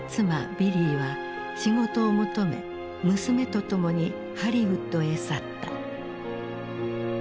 ビリーは仕事を求め娘と共にハリウッドへ去った。